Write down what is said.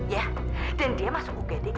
ya dan dia masuk ugd